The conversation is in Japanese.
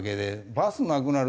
バスなくなる。